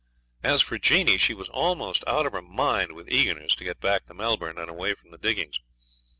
As for Jeanie, she was almost out of her mind with eagerness to get back to Melbourne and away from the diggings.